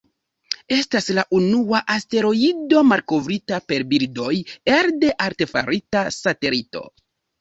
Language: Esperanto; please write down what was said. Estas la unua asteroido malkovrita per bildoj elde artefarita satelito.